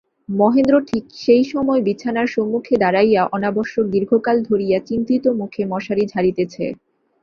মহেন্দ্র ঠিক সেই সময় বিছানার সম্মুখে দাঁড়াইয়া অনাবশ্যক দীর্ঘকাল ধরিয়া চিন্তিতমুখে মশারি ঝাড়িতেছে।